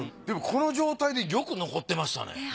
でもこの状態でよく残ってましたね。